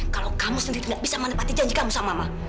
kalau kamu sendiri gak bisa menepati janji kamu sama mah